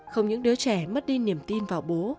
không những đứa trẻ mất đi niềm tin vào bố